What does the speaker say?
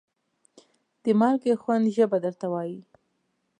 د مالګې خوند ژبه درته وایي.